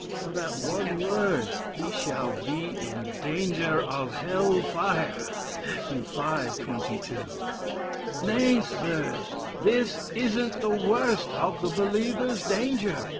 for that one word 'he shall be in danger of Hell fire.' Mat. v. 22. Nay, Sirs! this isn't the worst of the believer's danger.